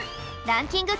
ランキング